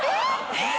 えっ！？